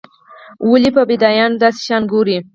ولې په فدايانو داسې شيان ګوري.